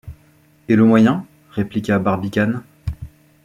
Et le moyen? répliqua Barbicane.